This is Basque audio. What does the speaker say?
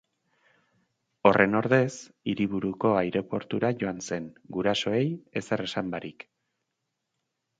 Horren ordez, hiriburuko aireportura joan zen, gurasoei ezer esan barik.